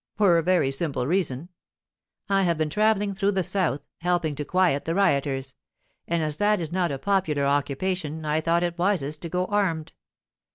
For a very simple reason. I have been travelling through the south, helping to quiet the rioters; and as that is not a popular occupation, I thought it wisest to go armed.